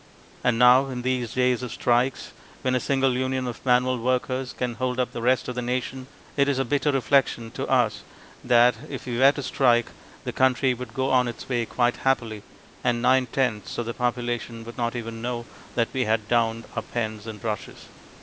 And now in these days of strikes, when a single union of manual workers can hold up the rest of the nation, it is a bitter reflection to us that, if we were to strike, the country would go on its way quite happily, and nine tenths of the population would not even know that we had downed our pens and brushes.